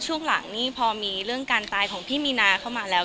ช่วงหลังนี่พอมีเรื่องการตายของพี่มีนาเข้ามาแล้ว